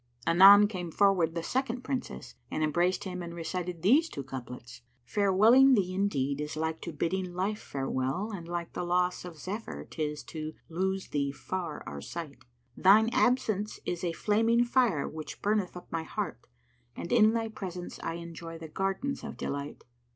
'" Anon came forward the second Princess and embraced him and recited these two couplets, "Farewelling thee indeed is like to bidding life farewell * And like the loss of Zephyr[FN#96] 'tis to lose thee far our sight: Thine absence is a flaming fire which burneth up my heart * And in thy presence I enjoy the Gardens of Delight."